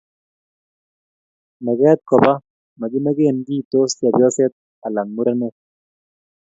mekat koba makimeken kiy tos chepyoset anan murenet